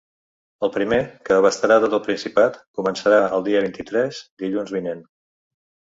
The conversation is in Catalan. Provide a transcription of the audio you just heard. El primer, que abastarà tot el Principat, començarà el dia vint-i-tres, dilluns vinent.